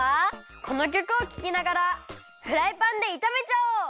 このきょくをききながらフライパンでいためちゃおう！